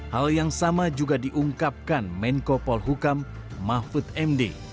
hal yang sama juga diungkapkan menko polhukam mahfud md